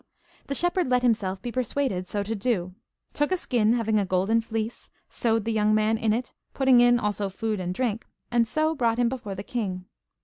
The shepherd let himself be persuaded so to do, took a skin having a golden fleece, sewed the young man in it, putting in also food and drink, and so brought him before the king.